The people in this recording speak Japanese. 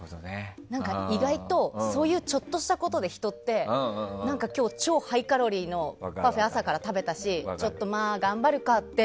意外とそういうちょっとしたことで人って、なんか今日超ハイカロリーのパフェとか朝から食べたしまあ、ちょっと頑張るかって